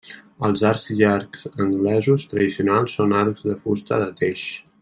Els arcs llargs anglesos tradicionals són arcs de fusta de teix.